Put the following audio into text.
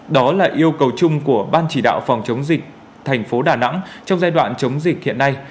đó là yêu cầu chung của ban chỉ đạo phòng chống dịch thành phố đà nẵng trong giai đoạn chống dịch hiện nay